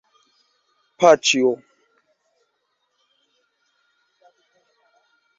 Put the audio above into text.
paĉjo